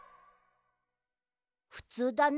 ふつうだな。